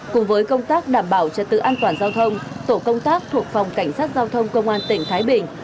cùng với công tác đảm bảo trật tự an toàn giao thông tổ công tác thuộc phòng cảnh sát giao thông công an tỉnh thái bình